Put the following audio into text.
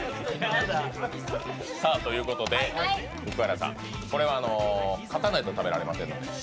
ということで、これは勝たないと食べられませんので。